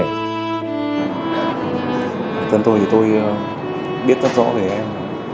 thật ra tôi thì tôi biết rất rõ về em